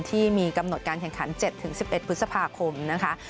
ที่มีกำหนดการแข่งขัน๗๑๑พฤษภาคมนะคะ